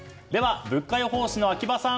物価予報士の秋葉さん